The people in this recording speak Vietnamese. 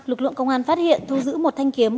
lực lượng công an phát hiện thu giữ một thanh kiếm